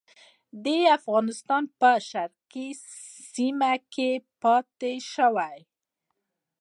د افغانستان په شرقي سیمو کې پاته شوي.